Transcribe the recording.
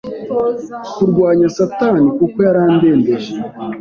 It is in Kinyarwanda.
kurwanya Satani kuko yarandembeje